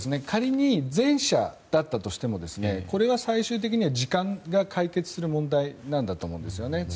仮に前者だったとしても最終的に時間が解決する問題なんだと思うんですよね。